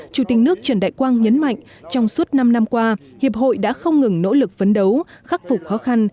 chủ tịch nước trần đại quang nhấn mạnh trong suốt năm năm qua hiệp hội đã không ngừng nỗ lực phấn đấu khắc phục khó khăn